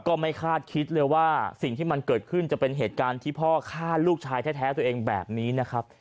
ก็ไม่คาดคิดเลยว่าสิ่งที่มันเกิดขึ้นจะเป็นเหตุการณ์ที่พ่อฆ่าลูกชายแท้ตัวเองแบบนี้นะครับ